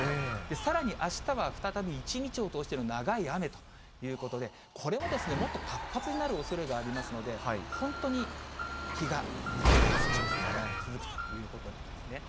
さらにあしたは、再び一日を通しての長い雨ということで、これももっと活発になるおそれがありますので、本当に気が抜けない状態が続くということなんですね。